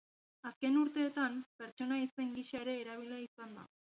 Azken urteetan pertsona izen gisa ere erabili izan da.